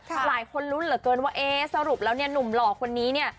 หลายคนรุ่นเหลือเกินว่าสรุปแล้วนุ่มหล่อคนนี้